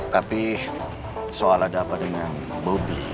tapi soal ada apa dengan bobi